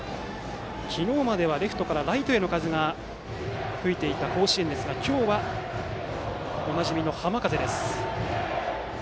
昨日まではレフトからライトへの風が吹いていた甲子園ですが今日は、おなじみの浜風です。